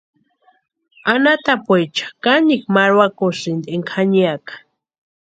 Anhatapuecha kanikwa marhuakwasïnti énka janiaka.